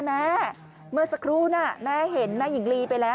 แม่เมื่อสักครู่น่ะแม่เห็นแม่หญิงลีไปแล้ว